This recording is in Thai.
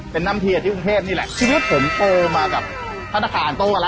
เป็นนำทีอ่ะที่กรุงเทพนี่แหละ